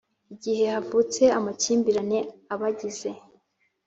Igihe havutse amakimbirane abagize